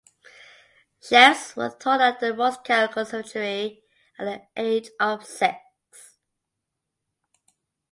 Scheps was taught at the Moscow Conservatory at the age of six.